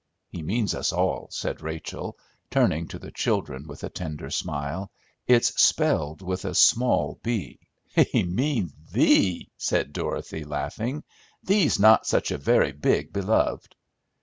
"He means us all," said Rachel, turning to the children with a tender smile. "It's spelled with a small b." "He means thee!" said Dorothy, laughing. "Thee's not such a very big beloved."